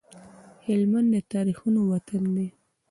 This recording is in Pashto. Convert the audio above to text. هلمند د تاريخونو وطن دی